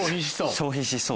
消費しそう。